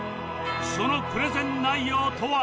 そのプレゼン内容とは？